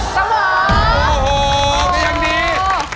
ตำหรี่